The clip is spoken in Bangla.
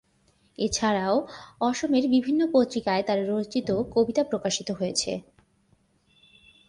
এছাড়াও অসমের বিভিন্ন পত্রিকায় তার রচিত কবিতা প্রকাশিত হয়েছে।